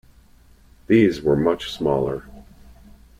These were much smaller.